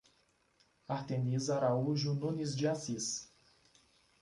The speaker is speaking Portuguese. Arteniza Araújo Nunes de Assis